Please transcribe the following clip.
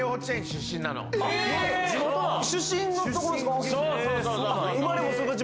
出身のところですか？